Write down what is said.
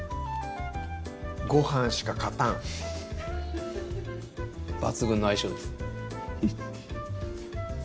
ごはんしか勝たん抜群の相性です